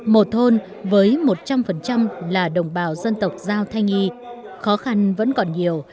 một thôn với một trăm linh là đồng bào dân tộc giao thanh y khó khăn vẫn còn nhiều